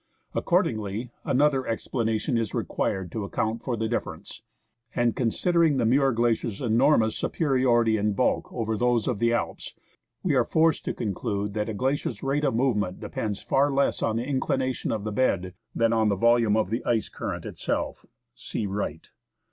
Accordingly, another ex planation is required to account for the difference ; and considering the Muir Glacier's enormous superi ority in bulk over those of the Alps, we are forced to conclude that a glacier's rate of movement depends far less on the inclination ot the bed than on the volume of the ice current itself (see Wright).